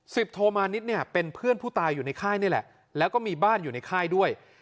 โทมานิดเนี่ยเป็นเพื่อนผู้ตายอยู่ในค่ายนี่แหละแล้วก็มีบ้านอยู่ในค่ายด้วย